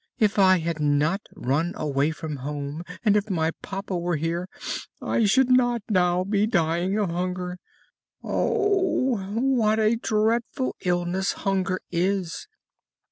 If I had not run away from home, and if my papa were here, I should not now be dying of hunger! Oh! what a dreadful illness hunger is!"